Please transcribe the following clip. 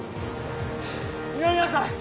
二宮さん！